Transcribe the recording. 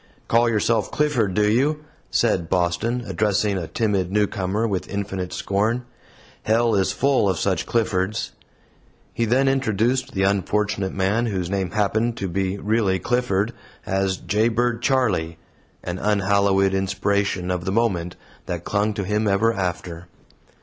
"Call yourself Clifford, do you?" said Boston, addressing a timid newcomer with infinite scorn; "hell is full of such Cliffords!" He then introduced the unfortunate man, whose name happened to be really Clifford, as "Jay bird Charley" an unhallowed inspiration of the moment that clung to him ever after.